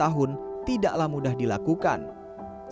dan juga diperhatikan oleh pengelola taman yang berada di kupu kupu gita persada